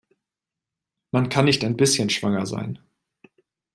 Man kann nicht ein bisschen schwanger sein.